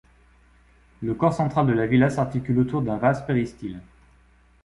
Le corps central de la villa s'articule autour d'un vaste péristyle.